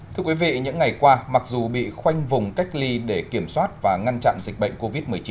thưa quý vị những ngày qua mặc dù bị khoanh vùng cách ly để kiểm soát và ngăn chặn dịch bệnh covid một mươi chín